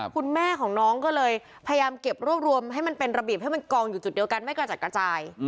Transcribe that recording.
คุณแม่ของน้องก็เลยพยายามเก็บรวบรวมให้มันเป็นระเบียบให้มันกองอยู่จุดเดียวกันไม่กระจัดกระจาย